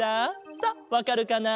さっわかるかな？